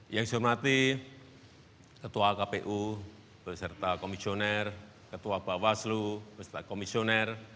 yang saya hormati ketua kpu beserta komisioner ketua bawaslu beserta komisioner